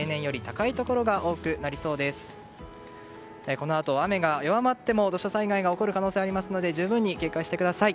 このあと雨が弱まっても土砂災害が起こる可能性がありますので十分に警戒してください。